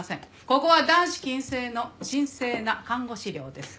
ここは男子禁制の神聖な看護師寮です。